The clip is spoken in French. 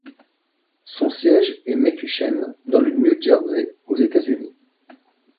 Son siège est Metuchen, dans le New Jersey, aux États-Unis.